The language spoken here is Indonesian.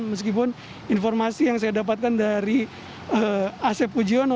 meskipun informasi yang saya dapatkan dari ac pujion